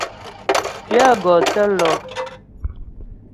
Pyə gɔ tə́ lɔ.